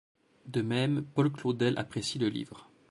De même, Paul Claudel apprécie le livre.